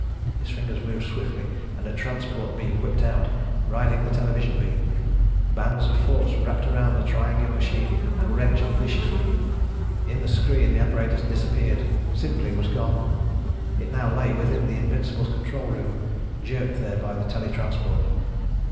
His fingers moved swiftly and a transport beam whipped out, riding the television beam. Bands of force wrapped around the triangular machine and wrenched viciously. In the screen the apparatus disappeared ... simply was gone. It now lay within the Invincible's control room, jerked there by the tele transport.